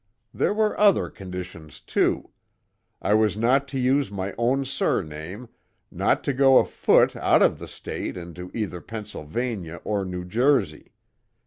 There were other conditions, too; I was not to use my own surname, not to go a foot out of the State into either Pennsylvania or New Jersey.